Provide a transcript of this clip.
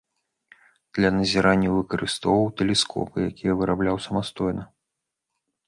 Для назіранняў выкарыстоўваў тэлескопы, якія вырабляў самастойна.